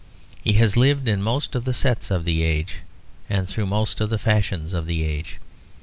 He has lived in most of the sets of the age, and through most of the fashions of the age.